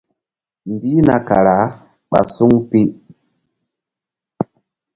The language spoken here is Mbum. Mbihna kara ɓa suŋ pi.